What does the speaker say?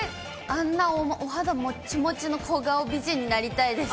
あんなお肌もちもちの小顔美人になりたいです。